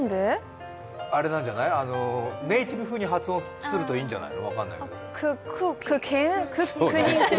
ネイティブ風に発音すればいいんじゃない？